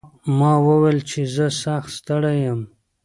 ما وویل چې زه سخت ستړی یم.